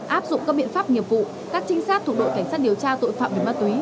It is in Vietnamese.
áp dụng các biện pháp nghiệp vụ các trinh sát thuộc đội cảnh sát điều tra tội phạm về ma túy